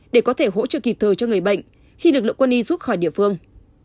để có thể hỗ trợ kịp thời cho người bệnh khi lực lượng quân y rút khỏi địa phương